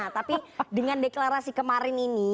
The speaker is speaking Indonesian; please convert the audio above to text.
nah tapi dengan deklarasi kemarin ini